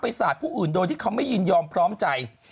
สาดผู้อื่นโดยที่เขาไม่ยินยอมพร้อมใจ